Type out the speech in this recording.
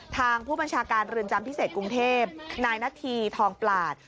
ทางผู้บัญชาการเรือนจำพิเศษกรุงเทพนายนาธีทองปลาด